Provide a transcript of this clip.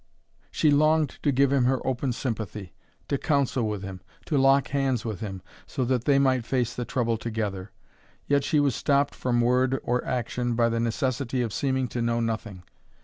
She longed to give him her open sympathy, to counsel with him, to lock hands with him so that they might face the trouble together. Yet she was stopped from word or action by the necessity of seeming to know nothing.